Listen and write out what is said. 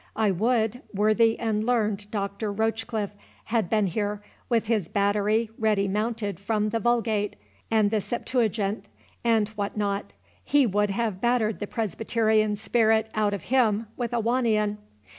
I would worthy and learned Doctor Rochecliffe had been here, with his battery ready mounted from the Vulgate, and the Septuagint, and what not—he would have battered the presbyterian spirit out of him with a wanion.